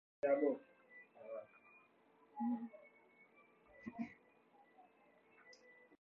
Another possibility considered was an extension to a hurricane in the western Caribbean Sea.